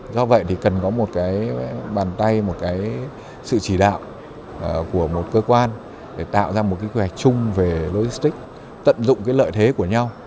do vậy thì cần có một cái bàn tay một cái sự chỉ đạo của một cơ quan để tạo ra một cái kế hoạch chung về logistics tận dụng cái lợi thế của nhau